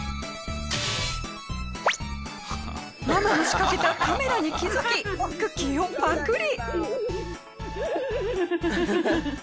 ママの仕掛けたカメラに気づきクッキーをパクリ。